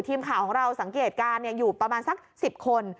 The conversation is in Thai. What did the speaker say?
ทีมข่าวของเราสังเกตการณ์อยู่ประมาณสัก๑๐คน